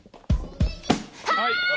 はい！